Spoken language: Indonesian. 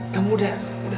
kamu udah sadar